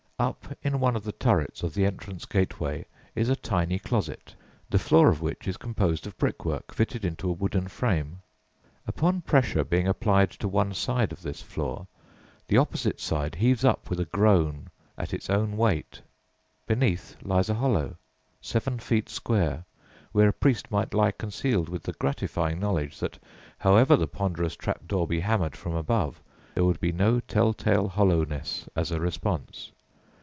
Up in one of the turrets of the entrance gateway is a tiny closet, the floor of which is composed of brickwork fixed into a wooden frame. Upon pressure being applied to one side of this floor, the opposite side heaves up with a groan at its own weight. Beneath lies a hollow, seven feet square, where a priest might lie concealed with the gratifying knowledge that, however the ponderous trap door be hammered from above, there would be no tell tale hollowness as a response.